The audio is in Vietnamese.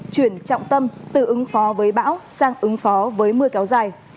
chuyển trọng tâm từ ứng phó với bão sang ứng phó với mưa kéo dài